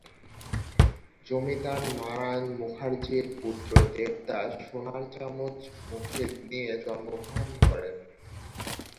জমিদার নারায়ণ মুখার্জির পুত্র দেবদাস সোনার চামচ মুখে নিয়ে জন্মগ্রহণ করে।